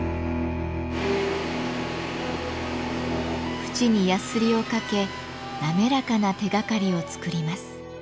縁にやすりをかけ滑らかな手がかりを作ります。